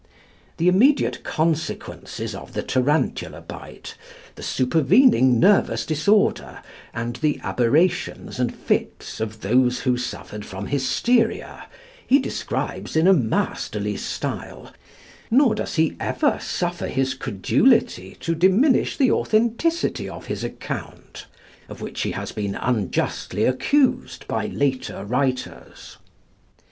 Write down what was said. The immediate consequences of the tarantula bite, the supervening nervous disorder, and the aberrations and fits of those who suffered from hysteria, he describes in a masterly style, not does he ever suffer his credulity to diminish the authenticity of his account, of which he has been unjustly accused by later writers.